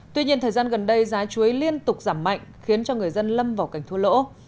tuy nhiên thời gian gần đây giá chuối liên tục giảm mạnh khiến cho người dân lâm vào cảnh thua lỗ